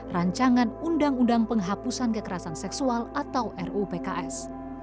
rancangan undang undang penghapusan kekerasan seksual atau ruupks